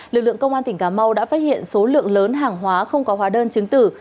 lực lượng công an tỉnh cà mau đã phát hiện số lượng lớn hàng hóa không có hóa đơn chứng tử